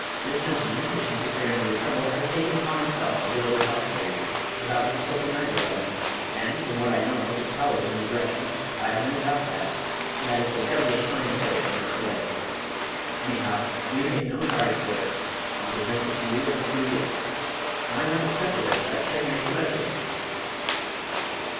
This gentleman, wishing to spare me the trouble, has taken upon himself to build your house for you, without consulting either of us, and, from what I know of his powers in the direction, I've no doubt that that it's a devilish fine place, in its way. Anyhow, we make no charge for it he presents it to you as a free gift. Why not accept it as such and make the best of it?"